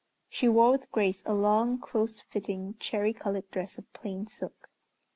She wore with grace a long close fitting cherry colored dress of plain silk.